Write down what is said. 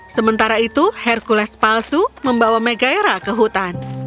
sementara itu hercules palsu membawa mega hera ke hutan